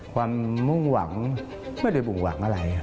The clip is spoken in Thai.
มุ่งหวังไม่ได้บ่งหวังอะไร